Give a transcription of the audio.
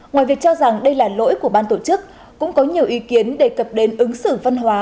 ngoài việc cho rằng đây là lỗi của ban tổ chức cũng có nhiều ý kiến đề cập đến ứng xử văn hóa